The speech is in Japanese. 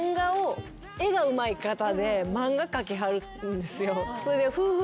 絵がうまい方で漫画描きはるんですよ。